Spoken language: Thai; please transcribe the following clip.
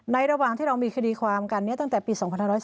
ในระหว่างที่เรามีคดีความการนี้ตั้งแต่ปี๒๖๓๖